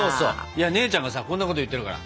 いや姉ちゃんがさこんなこと言ってるから。